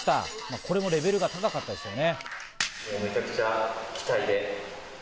これもレベルが高かったですね。